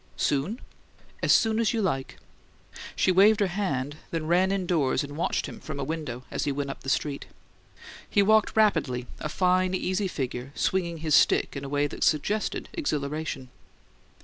"Soon?" "As soon as you like!" She waved her hand; then ran indoors and watched him from a window as he went up the street. He walked rapidly, a fine, easy figure, swinging his stick in a way that suggested exhilaration.